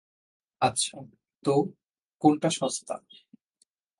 আচ্ছা, তো, কোনটা সস্তা?